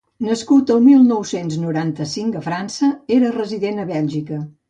Nascut el mil nou-cents noranta-cinc a França, era resident a Bèlgica.